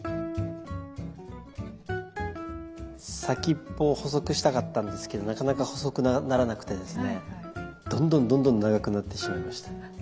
先っぽを細くしたかったんですけどなかなか細くならなくてですねどんどんどんどん長くなってしまいました。